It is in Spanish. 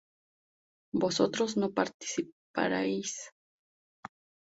¿vosotros no partiríais?